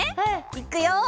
いくよ！